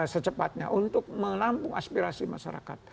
secepatnya untuk menampung aspirasi masyarakat